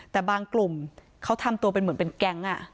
แต่บางกลุ่มเขาทำตัวเป็นเหมือนเป็นแก๊ง